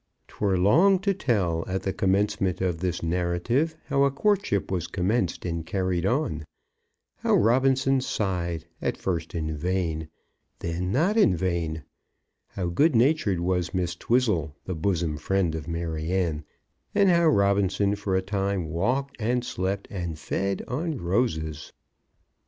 'Twere long to tell, at the commencement of this narrative, how a courtship was commenced and carried on; how Robinson sighed, at first in vain and then not in vain; how good natured was Miss Twizzle, the bosom friend of Maryanne; and how Robinson for a time walked and slept and fed on roses.